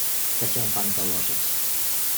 "Chce się pan założyć."